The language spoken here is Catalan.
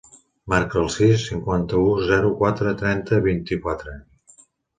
Marca el sis, cinquanta-u, zero, quatre, trenta, vint-i-quatre.